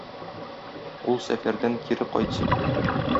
Ул сәфәрдән кире кайт син.